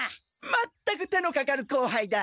全く手のかかる後輩だ！